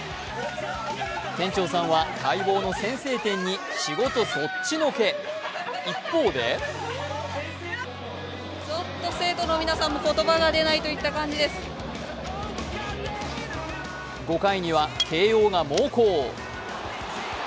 店員さんは待望の先制点に仕事そっちのけ、一方で５回には慶応が猛攻。